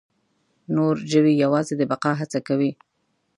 نور ژوي یواځې د بقا هڅه کوي.